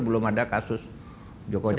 belum ada kasus joko chan